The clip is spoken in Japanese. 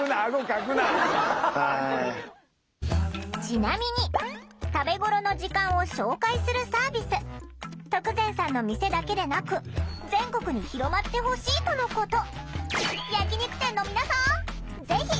ちなみに食べごろの時間を紹介するサービス徳善さんの店だけでなく全国に広まってほしいとのこと。